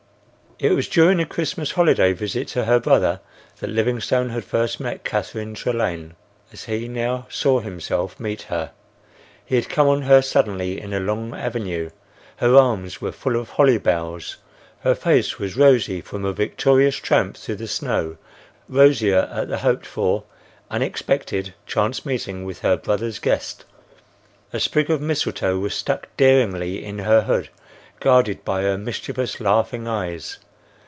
It was during a Christmas holiday visit to her brother that Livingstone had first met Catherine Trelane; as he now saw himself meet her. He had come on her suddenly in a long avenue. Her arms were full of holly boughs; her face was rosy from a victorious tramp through the snow, rosier at the hoped for, unexpected, chance meeting with her brother's guest; a sprig of mistletoe was stuck daringly in her hood, guarded by her mischievous, laughing eyes.